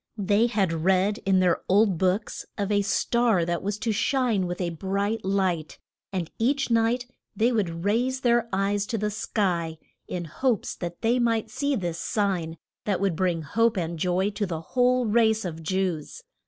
They had read in their old books of a star that was to shine with a bright light, and each night they would raise their eyes to the sky, in hopes that they might see this sign that would bring hope and joy to the whole race of Jews.